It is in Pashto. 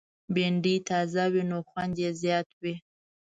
بېنډۍ تازه وي، نو خوند یې زیات وي